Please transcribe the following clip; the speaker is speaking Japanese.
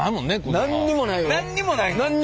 何にもない。